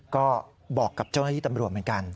ก็บอกกับเจ้าหน้าที่ตำรวจเหมือนกัน